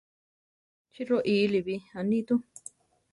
Chí roʼíli bi, anitú.